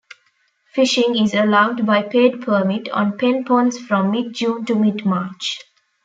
"Fishing" is allowed, by paid permit, on Pen Ponds from mid-June to mid-March.